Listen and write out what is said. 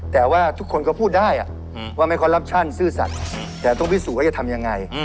แต่ว่าทุกคนก็พูดได้ว่าไม่คอนรัปชั่นซื่อสัตว์แต่ต้องพิสูจน์ว่าจะทำยังไง